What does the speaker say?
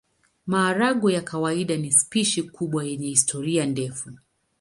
Maharagwe ya kawaida ni spishi kubwa yenye historia ndefu.